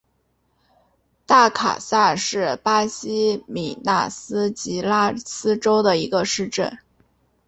大卡萨是巴西米纳斯吉拉斯州的一个市镇。